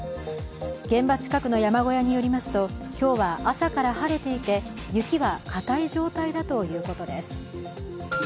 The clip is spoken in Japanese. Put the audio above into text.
現場近くの山小屋によりますと今日は朝から晴れていて、雪は硬い状態だということです。